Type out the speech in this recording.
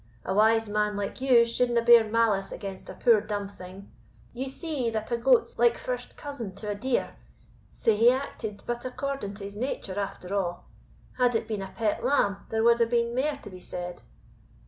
A wise man like you shouldna bear malice against a poor dumb thing; ye see that a goat's like first cousin to a deer, sae he acted but according to his nature after a'. Had it been a pet lamb, there wad hae been mair to be said.